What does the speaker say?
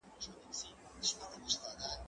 زه به د کتابتون کتابونه لوستي وي؟!